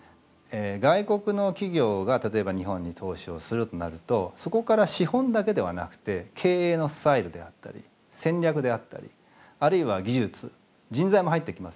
外国の企業が例えば日本に投資をするとなるとそこから資本だけではなくて経営のスタイルであったり戦略であったりあるいは技術人材も入ってきますよね。